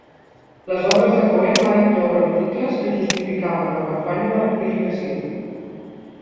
Les obres de Coe van incloure articles que justificaven la campanya de rectificació.